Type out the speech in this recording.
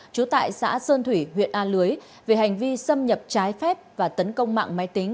trú tại xã sơn thủy huyện a lưới về hành vi xâm nhập trái phép và tấn công mạng máy tính